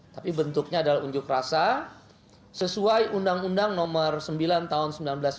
tapi bentuknya adalah unjuk rasa sesuai undang undang nomor sembilan tahun seribu sembilan ratus sembilan puluh